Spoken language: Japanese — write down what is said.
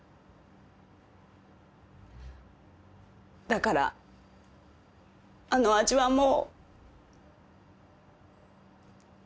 だからあの味はもう。